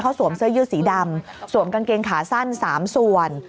เขาสวมเสื้อยืดสีดำสวมกางเกงขาสั้น๓ส่วน